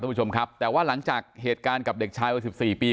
ผู้ชมครับแต่ว่าหลังจากเหตุการณ์กับเด็กชายวัยสิบสี่ปี